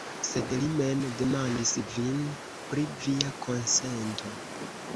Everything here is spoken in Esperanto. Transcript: Sed li mem demandis vin pri via konsento.